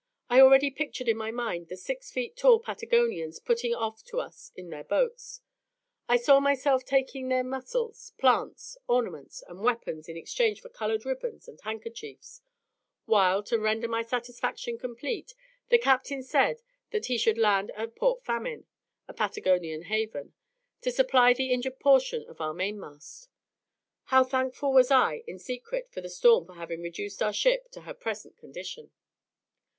I already pictured in my mind the six feet tall Patagonians putting off to us in their boats; I saw myself taking their mussels, plants, ornaments, and weapons in exchange for coloured ribbons and handkerchiefs; while, to render my satisfaction complete, the captain said that he should land at Port Famine (a Patagonian haven) to supply the injured portion of our mainmast. How thankful was I, in secret, to the storm for having reduced our ship to her present condition.